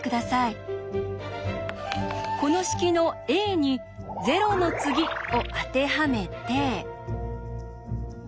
この式の「ａ」に「０の次」を当てはめて。